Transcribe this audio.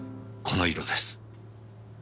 この色です。